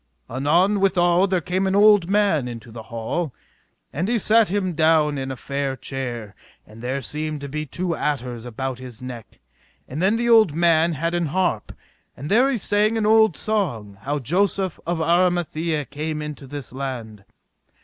Anon withal there came an old man into the hall, and he sat him down in a fair chair, and there seemed to be two adders about his neck; and then the old man had an harp, and there he sang an old song how Joseph of Armathie came into this land.